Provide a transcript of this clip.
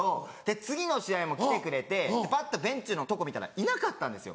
次の試合も来てくれてパッとベンチのとこ見たらいなかったんですよ